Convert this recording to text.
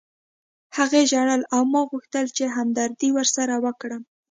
هغې ژړل او ما غوښتل چې همدردي ورسره وکړم